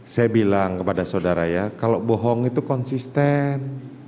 saya bilang kepada saudara ya kalau bohong itu konsisten